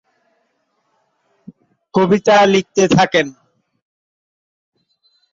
কবিতা লিখতে থাকেন।